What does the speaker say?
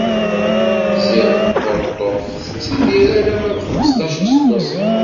Ziɣ taweṭṭuft tettidir alamma d xmesṭac iseggasen.